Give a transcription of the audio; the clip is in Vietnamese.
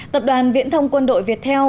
tập đoàn viễn thông quân đội việt theo